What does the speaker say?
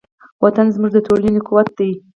وطن زموږ د ټولنې قوت دی.